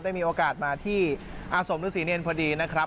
ได้มีโอกาสมาที่อาสมฤทธิ์ศรีเนียนพอดีนะครับ